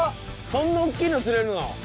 そんな大きいの釣れるの？